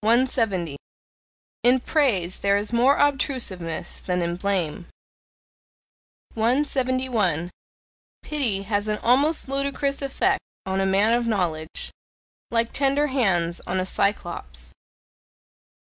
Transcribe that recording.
170. In praise there is more obtrusiveness than in blame. 171. Pity has an almost ludicrous effect on a man of knowledge, like tender hands on a Cyclops.